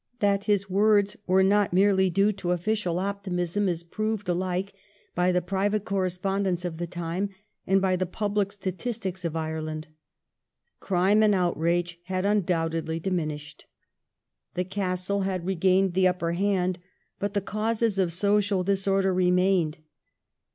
That his words were not merely due to official optimism is proved alike by the private coiTespondence of the time, and by the pubjic statistics of Ireland. Crime and outrage had undoubtedly dimin ished. The Castle had regained the upper hand ; but the causes of social disorder remained.